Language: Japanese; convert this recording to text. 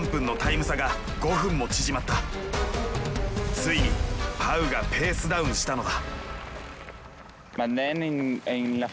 ついにパウがペースダウンしたのだ。